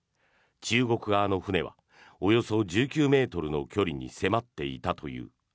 中国側の船はおよそ１９ｍの距離に迫っていたという。